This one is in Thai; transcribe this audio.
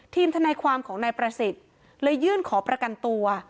ทนายความของนายประสิทธิ์เลยยื่นขอประกันตัว